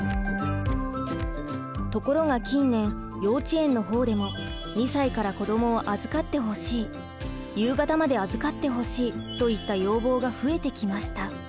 ところが近年幼稚園の方でも２歳から子どもを預かってほしい夕方まで預かってほしいといった要望が増えてきました。